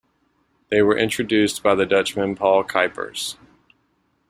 They were introduced by the Dutchman Paul Kuypers.